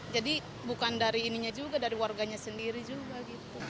jadi bukan dari ininya juga dari warganya sendiri juga gitu